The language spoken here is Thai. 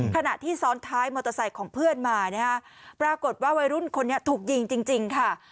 ขณะที่ซ้อนท้ายมอเตอร์ไซค์ของเพื่อนมานะฮะปรากฏว่าวัยรุ่นคนนี้ถูกยิงจริงค่ะ